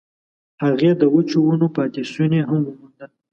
هغې د وچو ونو پاتې شوني هم وموندل.